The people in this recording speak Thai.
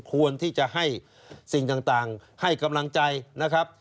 ควรที่จะให้สิ่งต่างให้กำลังใจนะครับ